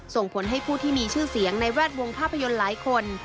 ส่งผลให้ผู้ที่มีชื่อเสียงในแวดวงภาพยนตร์หลายคน